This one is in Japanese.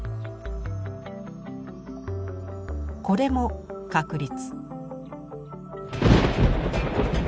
これも確率。